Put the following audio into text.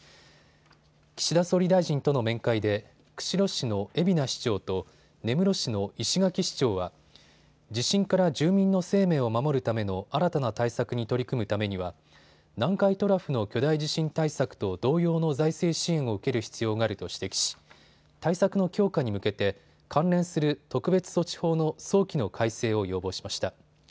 岸田総理大臣との面会で釧路市の蝦名市長と根室市の石垣市長は地震から住民の生命を守るための新たな対策に取り組むためには南海トラフの巨大地震対策と同様の財政支援を受ける必要があると指摘し、対策の強化に向けて関連する特別措置法の早期の改正を要望しました。